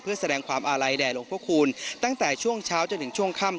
เพื่อแสดงความอาลัยแด่หลวงพระคูณตั้งแต่ช่วงเช้าจนถึงช่วงค่ำ